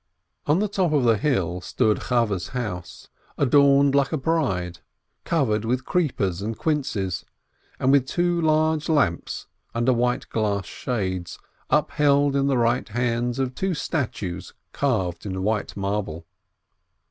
On the top of the hill stood Chavveh's house, adorned like a bride, covered with creepers and quinces, and with two large lamps under white glass shades, upheld in the right hands of two statues carved in white marble.